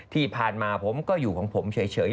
ที่ผ่านมาผมก็อยู่ของผมเฉย